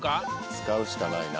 使うしかないな。